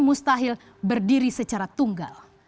mustahil berdiri secara tunggal